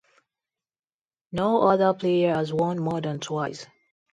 No other player has won more than twice.